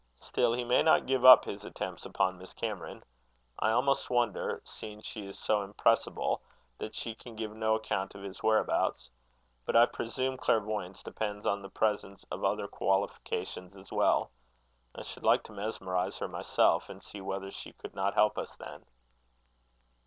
Still he may not give up his attempts upon Miss Cameron. I almost wonder, seeing she is so impressible, that she can give no account of his whereabouts. But I presume clairvoyance depends on the presence of other qualifications as well. I should like to mesmerize her myself, and see whether she could not help us then."